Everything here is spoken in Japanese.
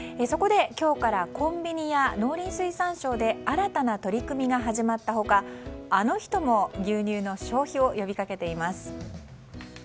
そこで今日からコンビニや農林水産省で新たな取り組みが始まった他あの人も牛乳の消費を呼び掛けています。